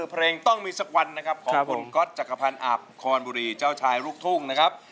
เพลงต้องมีสักวันนะครับของคุณก๊อตจักรพันธ์อาบคอนบุรีเจ้าชายลูกทุ่งนะครับ